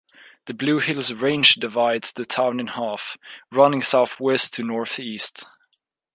The Blue Hills Range divides the town in half, running southwest to northeast.